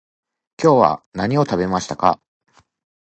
今日は何を食べましたか？